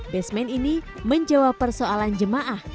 basement ini menjawab persoalan jemaah